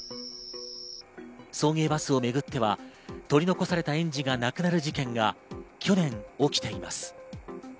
送迎バスをめぐっては取り残された園児が亡くなる事件が去年、起きています。